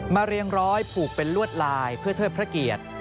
เรียงร้อยผูกเป็นลวดลายเพื่อเทิดพระเกียรติ